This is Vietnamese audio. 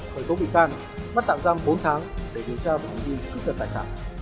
khởi tố bị can bắt tạm giam bốn tháng để điều tra vụ gì trích được tài sản